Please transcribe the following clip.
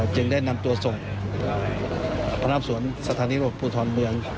จึงได้นำตัวส่งพนักการสอบสวนสถานีรถผู้ท้องเมือง